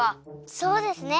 そうですね。